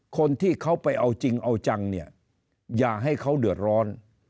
คนที่เขาไปเอาจริงเอาจังเนี่ยอย่าให้เขาเดือดร้อน